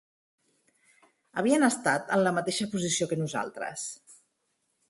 Havien estat en la mateixa posició que nosaltres.